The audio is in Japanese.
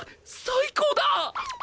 最高だ！